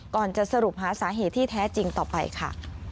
ก่อนจะสรุปหาสาเหตุที่แท้จริงต่อไปค่ะ